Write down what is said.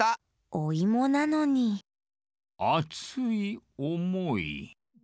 おいもなのにあついおもい。